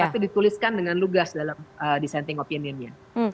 tapi dituliskan dengan lugas dalam dissenting opinionnya